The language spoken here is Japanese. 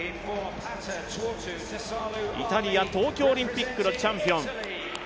イタリア、東京オリンピックのチャンピオン。